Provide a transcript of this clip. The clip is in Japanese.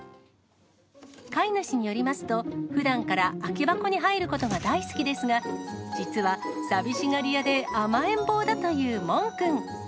飼い主によりますと、ふだんから空き箱に入ることが大好きですが、実は、寂しがり屋で甘えん坊だというもん君。